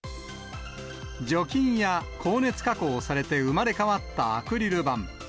除菌や高熱加工をされて生まれ変わったアクリル板。